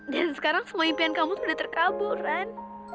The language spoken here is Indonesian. dan sekarang semua impian kamu sudah terkabur ran